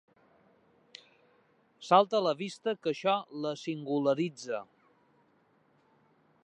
Salta a la vista que això la singularitza.